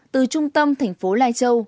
từ trung tâm thành phố lai châu